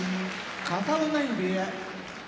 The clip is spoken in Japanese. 片男波部屋